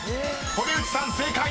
堀内さん正解］